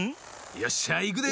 よっしゃいくで！